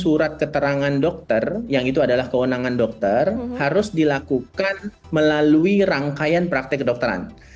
surat keterangan dokter yang itu adalah kewenangan dokter harus dilakukan melalui rangkaian praktek kedokteran